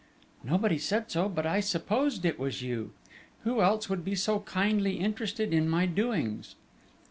"Nobody said so; but I supposed it was you! Who else would be so kindly interested in my doings?"